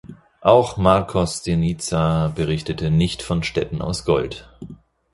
Auch Marcos de Niza berichtete nicht von Städten aus Gold.